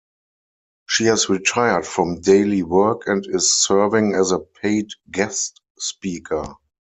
She has retired from daily work and is serving as a paid guest speaker.